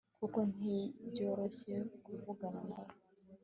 kuko ntibyoroshe kuvugana nawe